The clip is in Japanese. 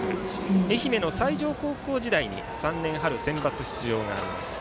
愛媛の西条高校時代に３年春センバツ出場があります。